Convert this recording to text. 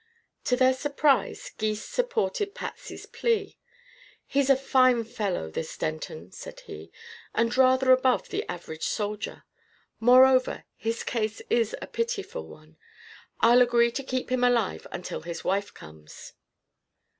To their surprise, Gys supported Patsy's plea. "He's a fine fellow, this Denton," said he, "and rather above the average soldier. Moreover, his case is a pitiful one. I'll agree to keep him alive until his wife comes."